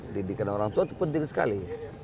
didikan orang tua itu penting sekali